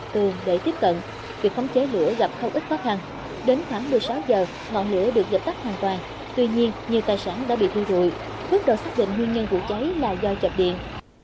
tuy nhiên nhiều tài sản đã bị thu rụi phước đầu xác định nguyên nhân vụ cháy là do chập điện